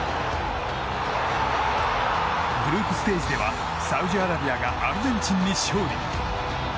グループステージではサウジアラビアがアルゼンチンに勝利。